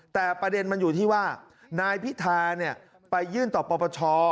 แต่ประเด็นมันอยู่ที่ว่านายพิธาไปยื่นต่อปปช